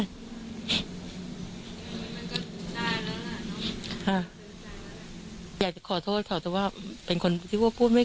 มันก็ได้แล้วน่ะอ่าอยากจะขอโทษถ้าว่าเป็นคนที่ว่าพูดไม่